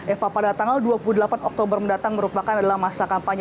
eva pada tanggal dua puluh delapan oktober mendatang merupakan adalah masa kampanye